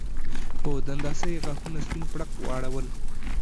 په دنداسه یې غاښونه سپین پړق واړول